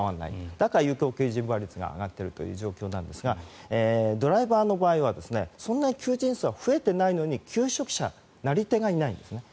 だから有効求人倍率が上がっているという状況なんですがドライバーの場合はそんなに求人数は増えていないのに求職者、なり手がいないんですね。